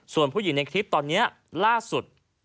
ส่วนผู้หญิงในคลิปตอนนี้ล่าสุด